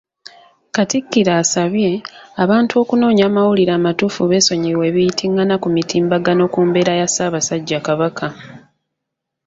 Katikkiro asabye, abantu okunoonya amawulire amatuufu beesonyiwe ebiyitingana ku mitimbagano ku mbeera ya Ssaabasajja Kabaka.